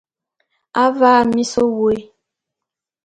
Avaa mis wôé.